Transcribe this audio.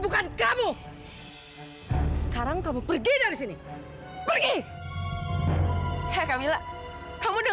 kalau mau bantu aja